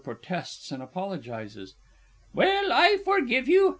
protests and apologises._) Well, I forgive you.